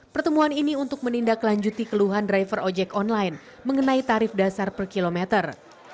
pertemuan ini untuk menindaklanjuti keluhan driver ojek online mengenai tarif dasar per kilometer